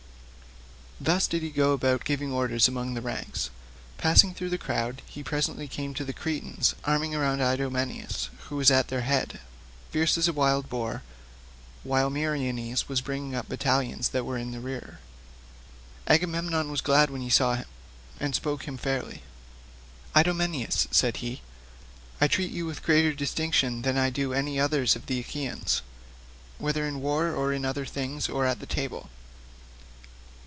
Thus did he go about giving his orders among the ranks. Passing through the crowd, he came presently on the Cretans, arming round Idomeneus, who was at their head, fierce as a wild boar, while Meriones was bringing up the battalions that were in the rear. Agamemnon was glad when he saw him, and spoke him fairly. "Idomeneus," said he, "I treat you with greater distinction than I do any others of the Achaeans, whether in war or in other things, or at table.